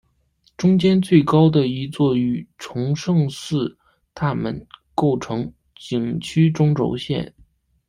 中间最高的一座与崇圣寺大门构成景区中轴线。